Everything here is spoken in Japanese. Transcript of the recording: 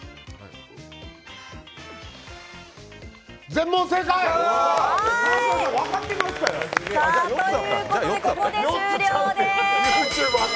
全問正解！ということでここで終了です。